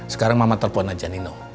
sekarang mama telepon aja nino